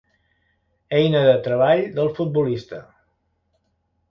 Eina de treball del futbolista.